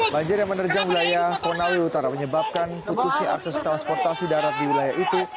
banjir yang menerjang wilayah konawe utara menyebabkan putusnya akses transportasi darat di wilayah itu